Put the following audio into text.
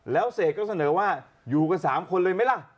แล้วเสกก็เสนอว่าอยู่กัน๓คนเลยไหมล่ะ